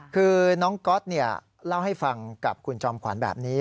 คือน้องก๊อตเล่าให้ฟังกับคุณจอมขวัญแบบนี้